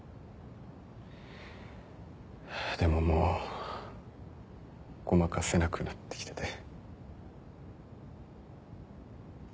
でももうごまかせなくなってきてて。